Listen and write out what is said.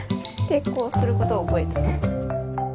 抵抗することを覚えたね。